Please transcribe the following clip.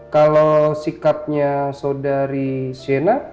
kalau sikapnya saudari siana